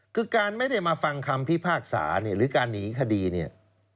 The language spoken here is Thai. คือการไม่ได้มาฟังคำพิพากษาเนี่ยหรือการหนีคดีเนี่ย